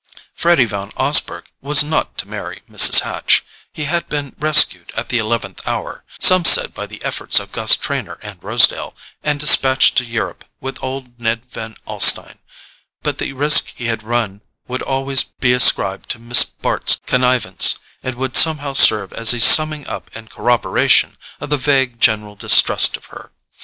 Freddy Van Osburgh was not to marry Mrs. Hatch; he had been rescued at the eleventh hour—some said by the efforts of Gus Trenor and Rosedale—and despatched to Europe with old Ned Van Alstyne; but the risk he had run would always be ascribed to Miss Bart's connivance, and would somehow serve as a summing up and corroboration of the vague general distrust of her.